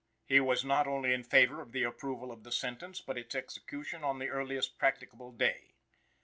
"He was not only in favor of the approval of the sentence but its execution on the earliest practicable day.